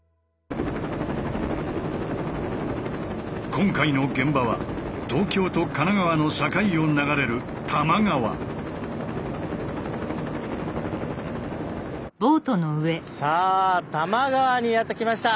今回の現場は東京と神奈川の境を流れるさあ多摩川にやって来ました。